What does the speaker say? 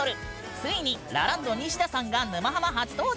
ついにラランドニシダさんが「沼ハマ」初登場。